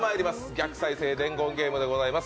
逆再生伝言ゲームでございます。